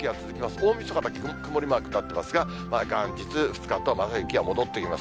大みそかだけ曇りマークになってますが、元日、２日と、また雪が戻ってきます。